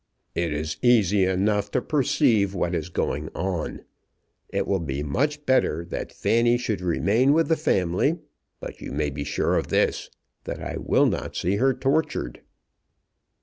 "It is easy enough to perceive what is going on. It will be much better that Fanny should remain with the family; but you may be sure of this, that I will not see her tortured."